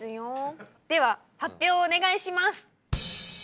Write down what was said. では発表をお願いします。